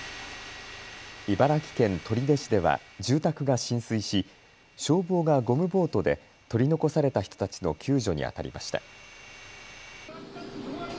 茨城県取手市では住宅が浸水し消防がゴムボートで取り残された人たちの救助にあたりました。